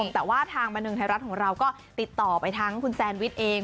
แต่ว่าทางบันทึงไทยรัฐของเราก็ติดต่อไปทั้งคุณแซนวิชเอง